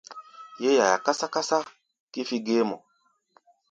Yé yaia kásá-kásá kífí géémɔ.